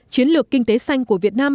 chiến lược kinh tế xanh của việt nam